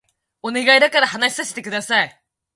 お願いだから話させて下さい